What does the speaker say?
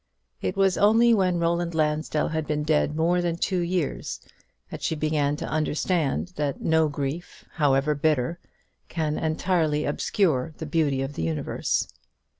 It was only when Roland Lansdell had been dead more than two years, that she began to understand that no grief, however bitter, can entirely obscure the beauty of the universe.